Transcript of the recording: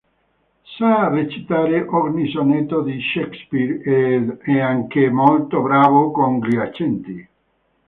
Sa recitare ogni sonetto di Shakespeare ed è anche molto bravo con gli accenti.